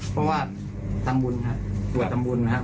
เพราะว่าทำบุญครับสวดทำบุญนะครับ